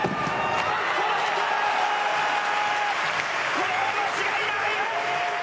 これは間違いない！